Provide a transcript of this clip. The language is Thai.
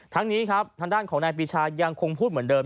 ทั้งนี้ครับทางด้านของนายปีชายังคงพูดเหมือนเดิม